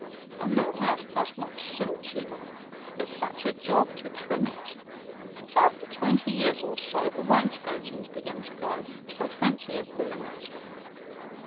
"A new house does not suit, you know— It's such a job to trim it: But, after twenty years or so, The wainscotings begin to go, So twenty is the limit."